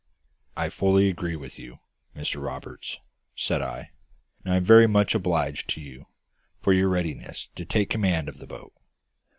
"I fully agree with you, Mr Roberts," said I; "and I am very much obliged to you for your readiness to take command of the boat.